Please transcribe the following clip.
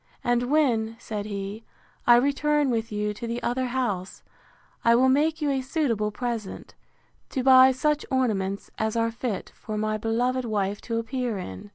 And when, said he, I return with you to the other house, I will make you a suitable present, to buy you such ornaments as are fit for my beloved wife to appear in.